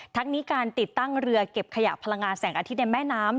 ทั้งนี้การติดตั้งเรือเก็บขยะพลังงานแสงอาทิตย์ในแม่น้ำ